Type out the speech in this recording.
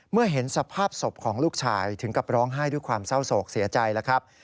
เมื่อเห็นสภาพศพของลูกชายถึงกับร้องไห้ด้วยความเศร้าโศกเสียใจแล้วครับ